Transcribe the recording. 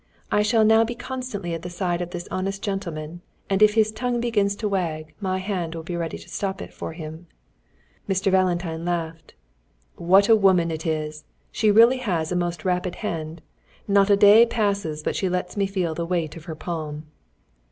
I shall now be constantly at the side of this honest gentleman, and if his tongue begins to wag, my hand will be ready to stop it for him." Mr. Valentine laughed. "What a woman it is! She really has a most rapid hand. Not a day passes but she lets me feel the weight of her palm."